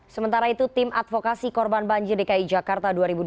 sementara itu tim advokasi korban banjir dki jakarta dua ribu dua puluh